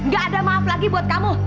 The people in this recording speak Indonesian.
gak ada maaf lagi buat kamu